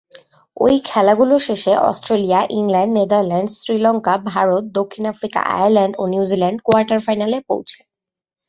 ঐ খেলাগুলো শেষে Australia, England, Netherlands, Sri Lanka, Bharat, দক্ষিণ আফ্রিকা, আয়ারল্যান্ড ও নিউজিল্যান্ড কোয়ার্টার ফাইনালে পৌঁছে।